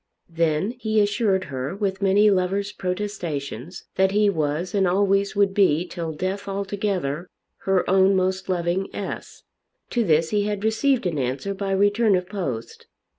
Then he assured her with many lover's protestations that he was and always would be till death altogether her own most loving S. To this he had received an answer by return of post.